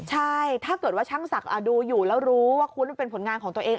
ใช่ถ้าเกิดว่าช่างศักดิ์ดูอยู่แล้วรู้ว่าคุณเป็นผลงานของตัวเอง